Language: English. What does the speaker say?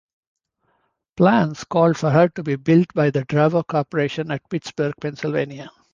Plans called for her to be built by the Dravo Corporation at Pittsburgh, Pennsylvania.